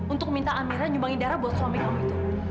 untuk minta amirnya nyumbangin darah buat suami kamu itu